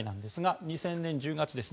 ２０００年１０月です。